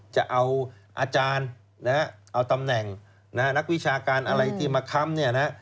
จะเอาอาจารย์นะฮะเอาตำแหน่งนักวิชาการอะไรที่มาค้ำเนี่ยนะ